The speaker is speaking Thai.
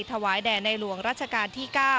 ถวายแด่ในหลวงรัชกาลที่๙